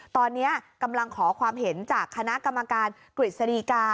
ตอนนี้กำลังขอความเห็นจากคณะกรรมการกฤษฎีกา